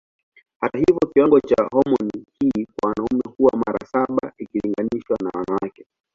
Hata hivyo kiwango cha homoni hii kwa wanaume huwa mara saba ikilinganishwa na wanawake.